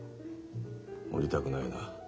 降りたくないな。